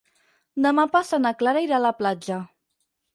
Demà passat na Clara irà a la platja.